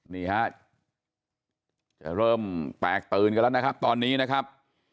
นี่ฮะจะเริ่มแตกตื่นกันแล้วนะครับตอนนี้นะครับ